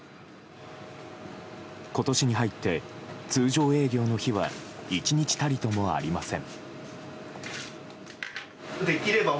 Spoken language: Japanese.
今年に入って、通常営業の日は１日たりともありません。